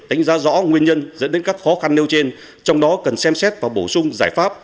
đánh giá rõ nguyên nhân dẫn đến các khó khăn nêu trên trong đó cần xem xét và bổ sung giải pháp